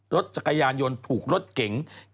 รถจักรยานยนต์ถูกรถเก๋ง